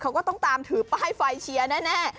เขาก็ต้องตามถือป้ายไฟเชียร์แน่